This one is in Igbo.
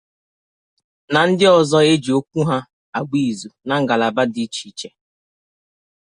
nà ndị ọzọ e ji okwu ha agba izu na ngalaba dị iche iche.